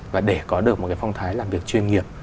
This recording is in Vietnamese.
và để có được một cái phong thái làm việc chuyên nghiệp